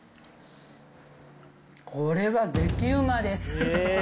これは激うまです。